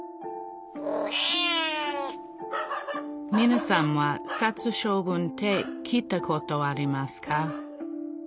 みなさんは殺処分って聞いたことありますか？